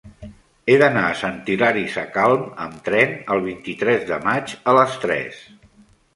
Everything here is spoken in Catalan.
He d'anar a Sant Hilari Sacalm amb tren el vint-i-tres de maig a les tres.